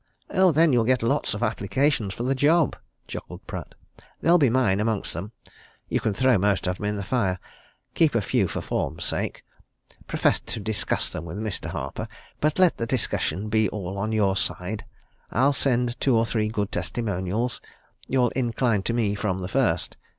"Then you'll get a lot of applications for the job," chuckled Pratt. "There'll be mine amongst them. You can throw most of 'em in the fire. Keep a few for form's sake. Profess to discuss them with Mr. Harper but let the discussion be all on your side. I'll send two or three good testimonials you'll incline to me from the first.